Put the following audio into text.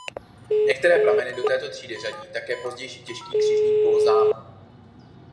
Některé prameny do této třídy řadí také pozdější těžký křižník "Bolzano".